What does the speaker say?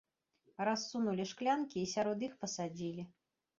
Рассунулі шклянкі і сярод іх пасадзілі.